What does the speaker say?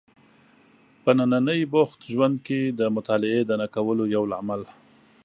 په ننني بوخت ژوند کې د مطالعې د نه کولو یو لامل